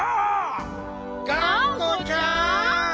がんこちゃん！